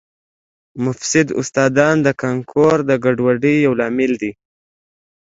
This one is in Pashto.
مفسد استادان د کانکور د ګډوډۍ یو لامل دي